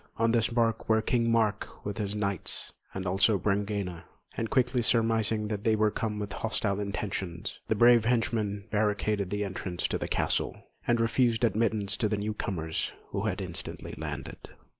On this barque were King Mark with his knights, and also Brangæna; and quickly surmising that they were come with hostile intentions, the brave henchman barricaded the entrance to the castle, and refused admittance to the newcomers, who had instantly landed.